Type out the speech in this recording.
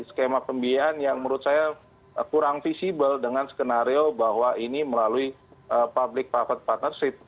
skema pembiayaan yang menurut saya kurang visible dengan skenario bahwa ini melalui public private partnership